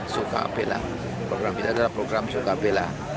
suka bela program ini adalah program suka bela